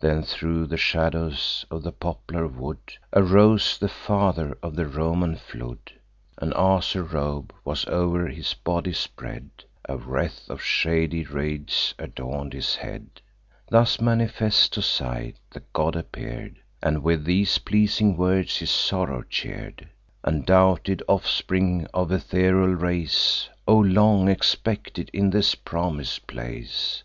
Then, thro' the shadows of the poplar wood, Arose the father of the Roman flood; An azure robe was o'er his body spread, A wreath of shady reeds adorn'd his head: Thus, manifest to sight, the god appear'd, And with these pleasing words his sorrow cheer'd: "Undoubted offspring of ethereal race, O long expected in this promis'd place!